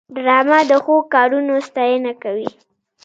ډرامه د ښو کارونو ستاینه کوي